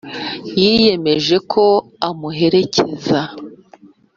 yiyemeje ko amuherekeza